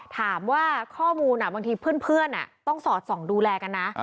ข้อมูลบางทีเพื่อนต้องสอดส่องดูแลกันนะ